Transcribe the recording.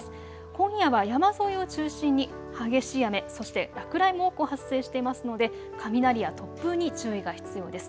今夜は山沿いを中心に激しい雨、そして落雷も多く発生していますので雷や突風に注意が必要です。